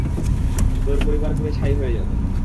তোর পরিবার পুড়ে ছাই হয়ে যাবে।